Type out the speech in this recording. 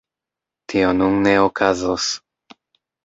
Tio nun ne okazos.